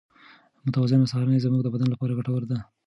متوازنه سهارنۍ زموږ د بدن لپاره ګټوره ده.